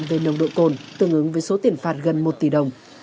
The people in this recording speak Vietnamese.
các lỗi vi phạm về nồng độ cồn tương ứng với số tiền phạt gần một tỷ đồng